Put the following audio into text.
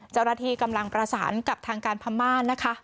เจ้าหน้าที่กำลังประสานกับทางการพม่านะคะ